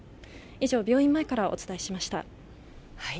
以上、病院前からお伝えしました。